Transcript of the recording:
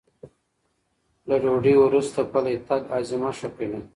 له ډوډۍ وروسته پلی تګ هاضمه ښه کوي.